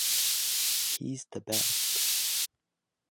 He’s the best.